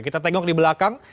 kita tengok di belakang